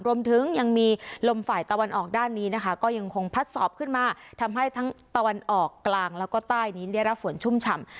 รวมถึงยังมีลมฝ่ายตะวันออกด้านนี้นะคะก็ยังคงพัดสอบขึ้นมาทำให้ทั้งตะวันออกกลางแล้วก็ใต้นี้ได้รับฝนชุ่มฉ่ำ